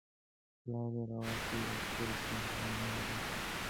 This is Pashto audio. پلار یې راوستئ عسکرو سم په منډه